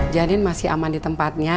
janin masih aman di tempatnya